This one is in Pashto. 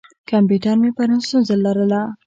کمپیوټر مې پرون ستونزه لرله.